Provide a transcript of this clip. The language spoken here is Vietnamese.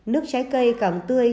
nước trái cây càng tươi